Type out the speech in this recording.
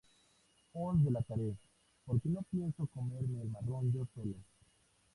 Os delataré porque no pienso comerme el marrón yo solo